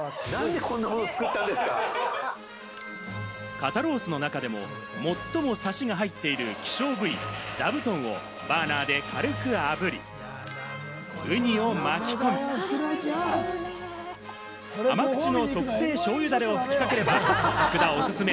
肩ロースの中でも最もさしが入っている希少部位・ザブトンをバーナーで軽くあぶり、ウニを巻き込み、甘口の特製しょうゆダレをふきかければ、福田おすすめ